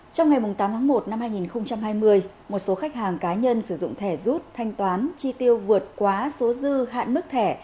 trong ngày tám tháng một năm hai nghìn hai mươi một số khách hàng cá nhân sử dụng thẻ rút thanh toán chi tiêu vượt quá số dư hạn mức thẻ